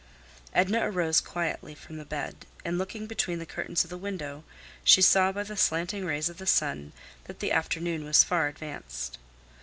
Edna arose quietly from the bed, and looking between the curtains of the window, she saw by the slanting rays of the sun that the afternoon was far advanced.